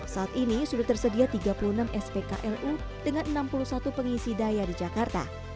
saat ini sudah tersedia tiga puluh enam spklu dengan enam puluh satu pengisi daya di jakarta